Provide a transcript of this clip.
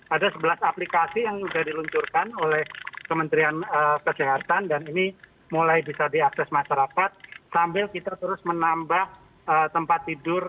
ada sebelas aplikasi yang sudah diluncurkan oleh kementerian kesehatan dan ini mulai bisa diakses masyarakat sambil kita terus menambah tempat tidur